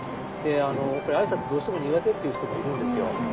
あいさつどうしても苦手っていう人もいるんですよ。